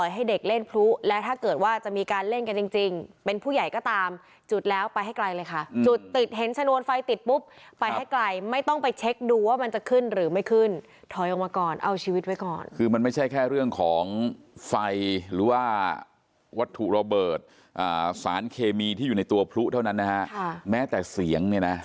ให้เด็กเล่นพลุและถ้าเกิดว่าจะมีการเล่นกันจริงจริงเป็นผู้ใหญ่ก็ตามจุดแล้วไปให้ไกลเลยค่ะจุดติดเห็นชนวนไฟติดปุ๊บไปให้ไกลไม่ต้องไปเช็คดูว่ามันจะขึ้นหรือไม่ขึ้นถอยออกมาก่อนเอาชีวิตไว้ก่อนคือมันไม่ใช่แค่เรื่องของไฟหรือว่าวัตถุระเบิดสารเคมีที่อยู่ในตัวพลุเท่านั้นนะฮะแม้แต่เสียงเนี่ยนะ